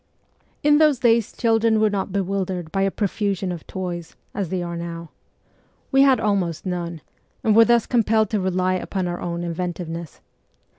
In those days children were not bewildered by a profusion of toys, as they are now. We had almost none, and were thus compelled to rely upon our own inventiveness.